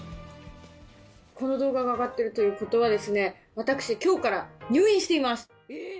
この動画が上がっているということはですね、私きょうから入院しています。